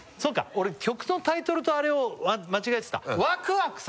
俺曲のタイトルとあれを間違えてたオッケー！